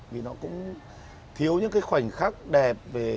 vì nó cũng thiếu những cái khoảnh khắc đẹp về